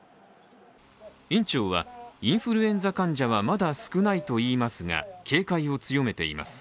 院長はインフルエンザ患者はまだ少ないといいますが警戒を強めています。